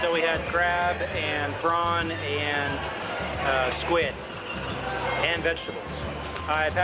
jadi kita ada krab peran dan kuda